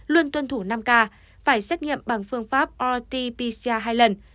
luôn tuân thủ năm k phải xét nghiệm bằng phương pháp rt pcr hai lần